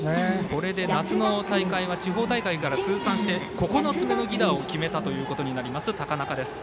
これで夏の大会は地方大会から通算して９つ目の犠打を決めたということになります、高中。